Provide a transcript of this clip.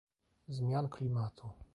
Zmian Klimatu